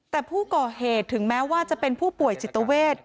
แต่ผู้ก่อเหตุถึงแม้ว่าจะเป็นผู้ป่วยจิตเวท